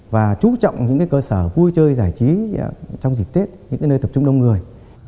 và chú trọng những cơ sở vui chơi giải trí trong dịp tết những nơi tập trung đông người